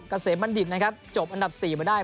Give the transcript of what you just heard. เกษมบรรดิบจบอันดับ๔เหลวได้